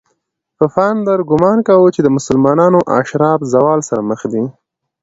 پفاندر ګومان کاوه چې د مسلمانانو اشراف زوال سره مخ دي.